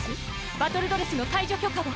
バトルドレスの解除許可を。